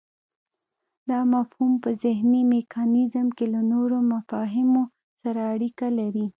دا مفهوم په ذهني میکانیزم کې له نورو مفاهیمو سره اړیکی لري